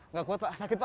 nggak kuat pak sakit pak